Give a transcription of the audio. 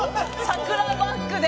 「桜バックで」